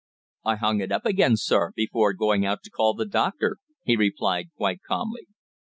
"I hung it up again, sir, before going out to call the doctor," he replied quite calmly.